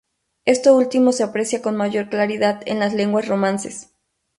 Esto último se aprecia con mayor claridad en las lenguas romances.